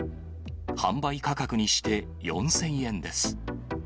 販売価格にして４０００円です。